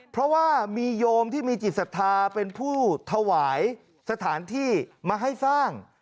เพราะว่ามีโยมที่มีจิตศรัทธาเป็นผู้ถวายสถานที่มาให้สร้าง